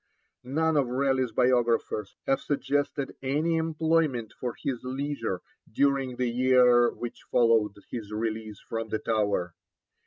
None of Raleigh's biographers have suggested any employment for his leisure during the year which followed his release from the Tower.